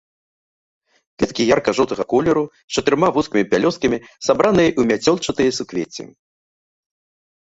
Кветкі ярка-жоўтага колеру, з чатырма вузкімі пялёсткамі, сабраныя ў мяцёлчатыя суквецці.